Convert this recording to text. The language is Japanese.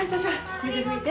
これで拭いて。